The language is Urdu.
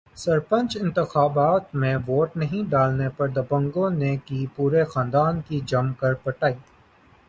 سرپنچ انتخابات میں ووٹ نہیں ڈالنے پر دبنگوں نے کی پورے خاندان کی جم کر پٹائی